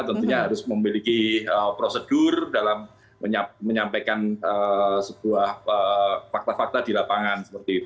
tentunya harus memiliki prosedur dalam menyampaikan sebuah fakta fakta di lapangan